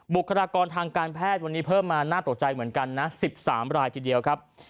บุคลากรทางการแพทย์วันนี้เพิ่มมาน่าตกใจเหมือนกันนะ๑๓รายทีเดียวครับ